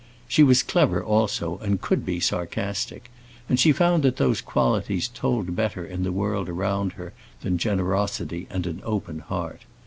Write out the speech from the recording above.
She was clever also, and could be sarcastic; and she found that those qualities told better in the world around her than generosity and an open heart.